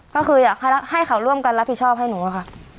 ก็คืออยากให้เขาร่วมกันรับผิดชอบให้หนูค่ะ